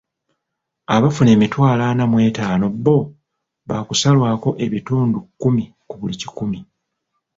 Abafuna emitwalo ana mw'etaano bbo baakusalwako ebitundu kumi ku buli kikumi.